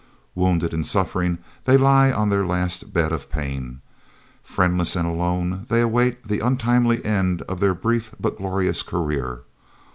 Wounded and suffering they lie on their last bed of pain. Friendless and alone they await the untimely end of their brief but glorious career.